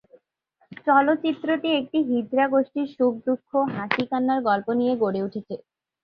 চলচ্চিত্রটি একটি হিজড়া গোষ্ঠীর সুখ-দুঃখ, হাসি-কান্নার গল্প নিয়ে গড়ে উঠেছে।